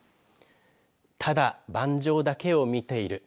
ただ、盤上だけを見ている。